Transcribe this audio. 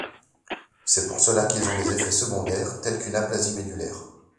C'est pour cela qu'ils ont des effets secondaires tels qu'une aplasie médullaire.